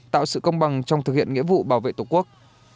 tạo sự công bằng trong thực hiện nghĩa vụ bảo vệ tổ quốc